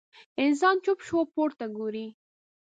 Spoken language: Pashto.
انسان چوپ شو، پورته ګوري.